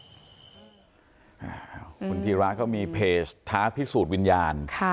คุณธีระก็มีเพจท้าพิสูจน์วิญญาณ